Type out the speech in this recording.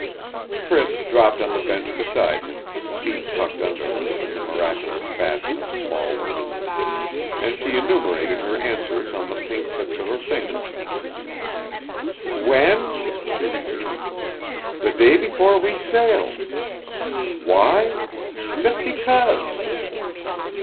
Priss dropped on the bench beside him, feet tucked under her in the miraculous fashion of small women; and she enumerated her answers on the pink tips of her fingers. "When?" she repeated. "The day before we sailed. Why? Just because.